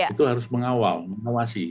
itu harus mengawal mengawasi